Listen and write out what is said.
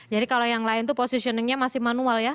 jadi kalau yang lain itu positioningnya masih manual ya